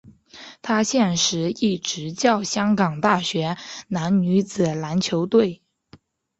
他现时亦执教香港大学男女子篮球队。